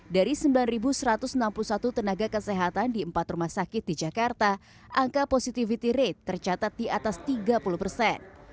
dari sembilan satu ratus enam puluh satu tenaga kesehatan di empat rumah sakit di jakarta angka positivity rate tercatat di atas tiga puluh persen